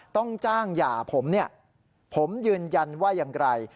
ต้องจ้างหย่าผมเนี่ยผมยืนยันว่าอย่างไร